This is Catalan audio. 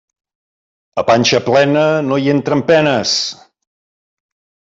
A panxa plena no hi entren penes.